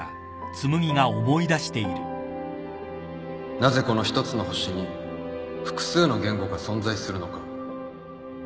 「なぜこの一つの星に複数の言語が存在するのか」